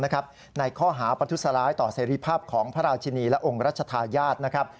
ในข้อหาปรัศนาไต่ต่อเสรีภาพของพระราชินีและองค์รัชธายาตร